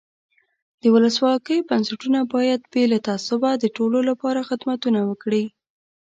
د ولسواکۍ بنسټونه باید بې له تعصبه د ټولو له پاره خدمتونه وکړي.